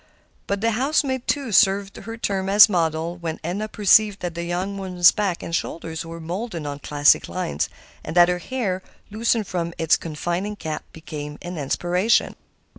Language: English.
But the house maid, too, served her term as model when Edna perceived that the young woman's back and shoulders were molded on classic lines, and that her hair, loosened from its confining cap, became an inspiration.